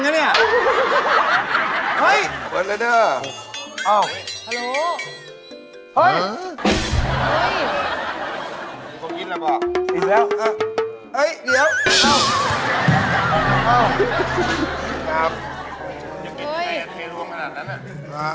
ยังเป็นอย่างไรที่จะเทรวมขนาดนั้นอ่ะ